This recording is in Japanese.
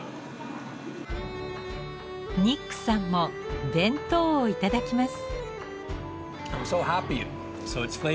ニックさんも弁当をいただきます。